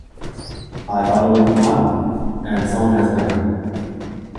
I thought it would be fun. And so it has been.